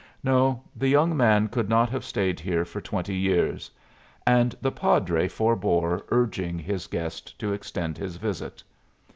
No, the young man could not have stayed here for twenty years! And the padre forbore urging his guest to extend his visit.